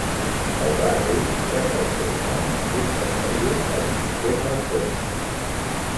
El barri rep el seu nom d'un caseriu existent a la zona.